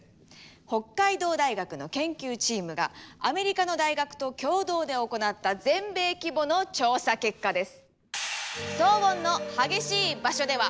北海道大学の研究チームがアメリカの大学と共同で行った全米規模の調査結果です。